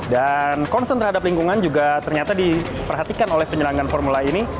dan konsen terhadap lingkungan juga ternyata diperhatikan oleh penyelenggangan formula ini